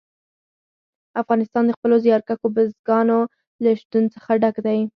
افغانستان د خپلو زیارکښو بزګانو له شتون څخه ډک دی.